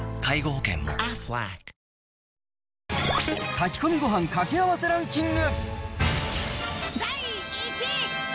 炊き込みご飯掛け合わせランキング。